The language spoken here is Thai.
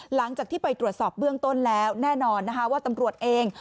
หลังจากที่ไปตรวจสอบเบื้องต้นแล้วแน่นอนนะคะว่าตำรวจเอง